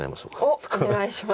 おっお願いします。